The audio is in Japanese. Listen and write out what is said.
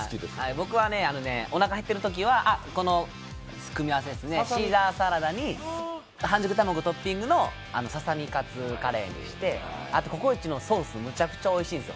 僕は、おなか減ってるときは、この組み合わせですね、シーザーサラダに半熟卵トッピングのささみカツカレにして、あと、ココイチのソースがむちゃくちゃおいしいんですよ。